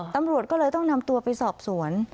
ตำรวจก็เลยต้องนำตัวไปสอบสวน